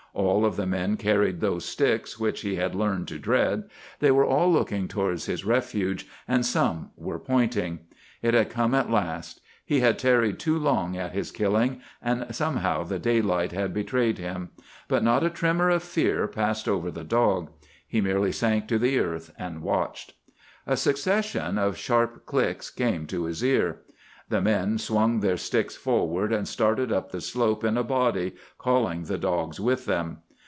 All of the men carried those sticks which he had learned to dread; they were all looking towards his refuge, and some were pointing. It had come at last. He had tarried too long at his killing, and somehow the daylight had betrayed him. But not a tremor of fear passed over the dog. He merely sank to the earth, and watched. A succession of sharp clicks came to his ear; the men swung their sticks forward and started up the slope in a body, calling the dogs with them.